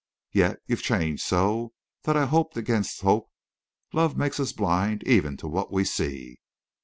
Yet you've changed so—that I hoped against hope. Love makes us blind even to what we see."